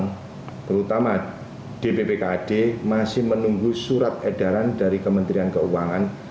yang pertama di ppkad masih menunggu surat edaran dari kementerian keuangan